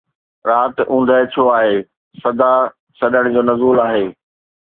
رات اوندهه ڇو آهي، صدا سڏڻ جو نزول آهي